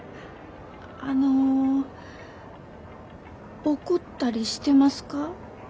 あの怒ったりしてますか？